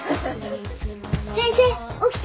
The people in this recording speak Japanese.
先生起きて。